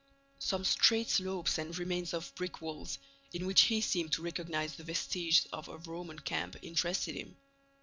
Some straight slopes and remains of brick walls, in which he seemed to recognize the vestiges of a Roman camp, interested him.